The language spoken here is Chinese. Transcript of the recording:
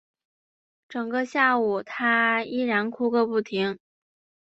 整个下午她依然哭个不停